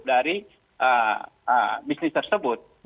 dari bisnis tersebut